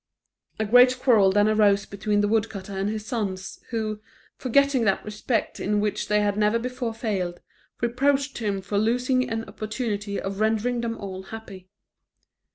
A great quarrel then arose between the woodcutter and his sons, who, forgetting that respect in which they had never before failed, reproached him for losing an opportunity of rendering them all happy.